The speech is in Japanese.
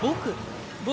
⁉僕？